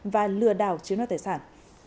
và lừa đảo chiếm đoạt tài sản